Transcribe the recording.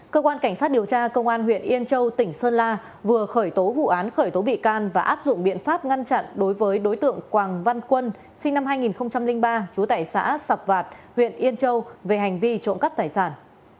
cơ quan cảnh sát điều tra công an huyện yên châu tỉnh sơn la vừa khởi tố vụ án khởi tố bị can và áp dụng biện pháp ngăn chặn đối với đối tượng quảng văn quân sinh năm hai nghìn ba trú tại xã sạc vạt huyện yên châu về hành vi trộm cắp tài sản